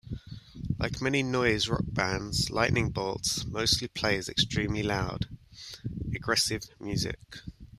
Like many noise rock bands, Lightning Bolt mostly plays extremely loud, aggressive music.